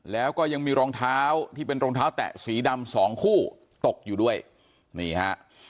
แล้วก็ยังมีรองเท้าที่เป็นรองเท้าแตะสีดำสองคู่ตกอยู่ด้วยนี่ฮะ